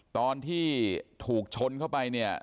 ตอนที่ถูกชนเข้าไปเนี่ย